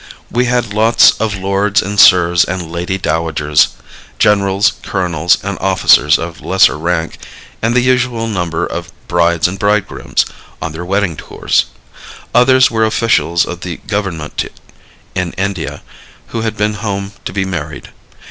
We had lots of lords and sirs and lady dowagers, generals, colonels and officers of lesser rank, and the usual number of brides and bridegrooms, on their wedding tours; others were officials of the government in India, who had been home to be married.